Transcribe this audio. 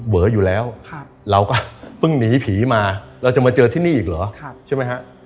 เวออยู่แล้วเราก็เพิ่งหนีผีมาเราจะมาเจอที่นี่อีกเหรอใช่ไหมฮะ